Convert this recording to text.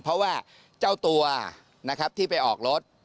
เพราะว่าเจ้าตัวที่ไปออกรถ